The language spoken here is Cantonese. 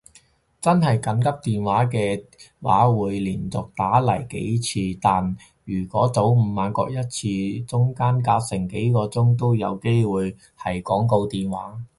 真係緊急電話嘅話會連續打嚟幾次，但如果早午晚各一次中間隔成幾粒鐘都有機會係廣告電話